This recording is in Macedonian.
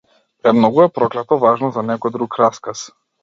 Премногу е проклето важно за некој друг расказ.